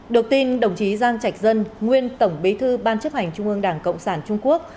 được tin đồng chí giang trạch dân nguyên tổng bí thư ban chấp hành trung ương đảng cộng sản trung quốc